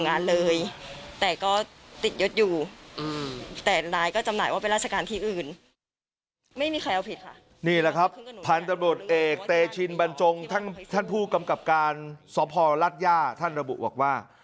นี่แหละครับทางตรวจเอกเตชินบันจงท่านผู้กำกับการสอบภรรณรัฐย่าท่านระบุหวักว่า